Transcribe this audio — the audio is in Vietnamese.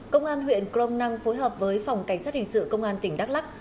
công an huyện crom năng phối hợp với phòng cảnh sát hình sự công an tỉnh đắk lắc